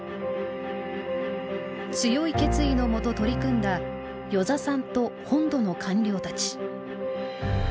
強い決意のもと取り組んだ与座さんと本土の官僚たち。